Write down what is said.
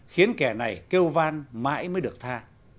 khiến kẻ này kêu van mãi mới được tha